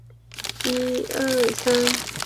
后入读杭州之江大学。